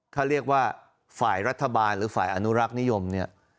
เขาเรียกว่าฝ่ายรัฐบาลหรือฝ่ายอนุรักษ์นิยมเนี่ย